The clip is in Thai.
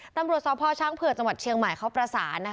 ตำรวจสพช้างเผือกจังหวัดเชียงใหม่เขาประสาน